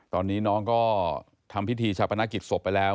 ตอนนี้น้องก็ทำพิธีชาปนกิจศพไปแล้ว